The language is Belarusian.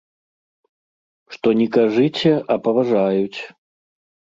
Што ні кажыце, а паважаюць!